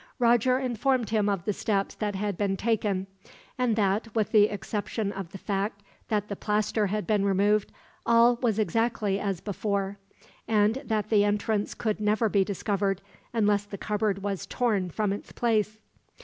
Roger informed him of the steps that had been taken; and that, with the exception of the fact that the plaster had been removed, all was exactly as before; and that the entrance could never be discovered, unless the cupboard was torn from its place.